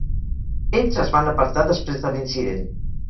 Ells es van apartar després de l'incident.